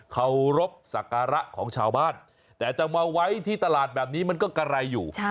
เคารพสักการะของชาวบ้านแต่จะมาไว้ที่ตลาดแบบนี้มันก็กระไรอยู่